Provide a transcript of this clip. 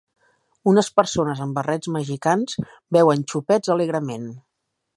Unes persones amb barrets mexicans beuen xopets alegrement.